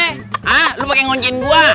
hah lu pake ngoncin gue